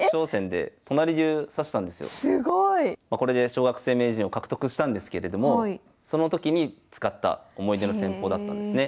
これで小学生名人を獲得したんですけれどもその時に使った思い出の戦法だったんですね。